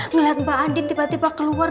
ngeliat mbak andin tiba tiba keluar